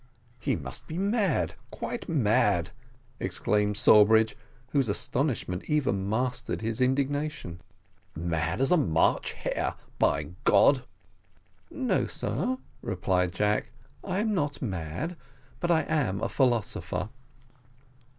"He must be mad quite mad," exclaimed Sawbridge, whose astonishment even mastered his indignation. "Mad as a March hare by God." "No, sir," replied Jack, "I am not mad, but I am a philosopher."